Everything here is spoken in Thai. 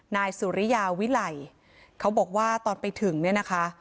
นายสุริยาวิไหลเขาบอกว่าตอนไปถึงเนี่ยนะคะ